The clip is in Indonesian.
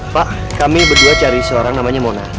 pak kami berdua cari seorang namanya mona